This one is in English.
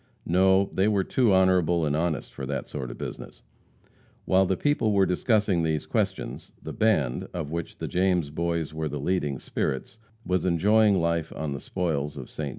No, they were too honorable and honest for that sort of business. While the people were discussing these questions, the band, of which the James Boys were the leading spirits, was enjoying life on the spoils of Ste.